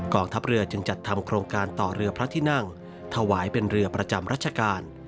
ทัพเรือจึงจัดทำโครงการต่อเรือพระที่นั่งถวายเป็นเรือประจำรัชกาล